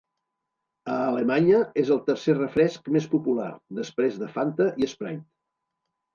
A Alemanya, és el tercer refresc més popular, després de Fanta i Sprite.